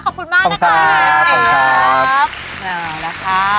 ขอบคุณมากนะคะขอบคุณค่ะ